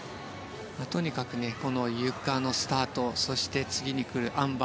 とにかくこのゆかのスタートそして次に来るあん馬